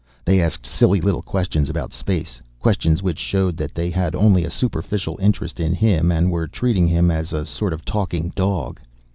They asked silly little questions about space questions which showed that they had only a superficial interest in him and were treating him as a sort of talking dog.